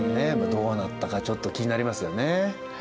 どうなったかちょっと気になりますよね。